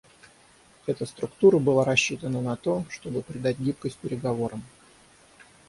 Эта структура была рассчитана на то, чтобы придать гибкость переговорам.